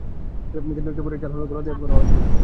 কিন্তু একটু পরেই খেয়াল হলো, গলা দিয়ে কোনো আওয়াজ বেরোচ্ছে না।